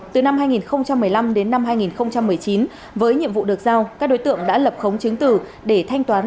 từ năm hai nghìn một mươi năm đến năm hai nghìn một mươi chín với nhiệm vụ được giao các đối tượng đã lập khống chứng tử để thanh toán